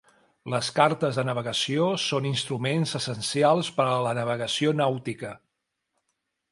Les cartes de navegació són instruments essencials per a la navegació nàutica.